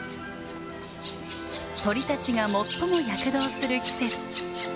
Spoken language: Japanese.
鳥たちが最も躍動する季節。